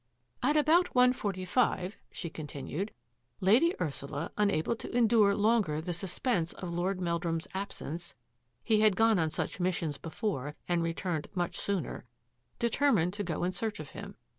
" At about one forty five," she continued, " Lady Ursula, unable to endure longer the sus pense of Lord Meldrum's absence — he had gone on such missions before and returned much sooner — determined to go in search of him.